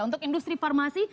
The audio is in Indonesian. untuk industri farmasi